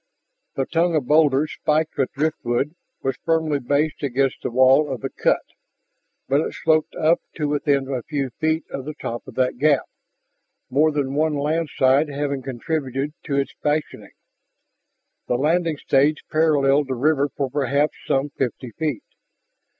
The tongue of boulders, spiked with driftwood, was firmly based against the wall of the cut. But it sloped up to within a few feet of the top of that gap, more than one landslide having contributed to its fashioning. The landing stage paralleled the river for perhaps some fifty feet.